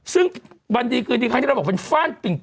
ซึ่งวันดีคืนดีครั้งที่เราบอกเป็นฟ่านปิ่ง